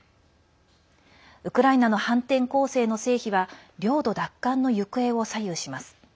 ウクライナの反転攻勢の成否は領土奪還の行方を左右します。